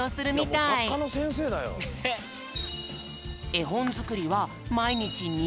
えほんづくりはまいにち２じかん。